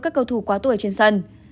các cầu thủ quá tuổi trên sân